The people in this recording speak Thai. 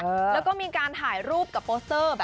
แล้วก็มีการถ่ายรูปกับโปสเตอร์